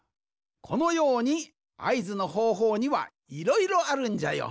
このようにあいずのほうほうにはいろいろあるんじゃよ。